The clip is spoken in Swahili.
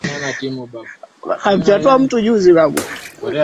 tabia yake mara moja huweza kubadilika